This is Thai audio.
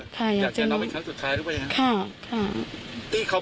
ค่ะค่ะ